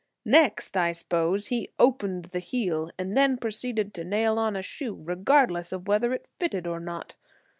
Next, I suppose, he 'opened the heel,' and then proceeded to nail on a shoe, regardless of whether it fitted or not.